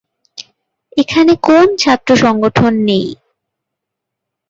এখানে কোন ছাত্র সংগঠন নেই।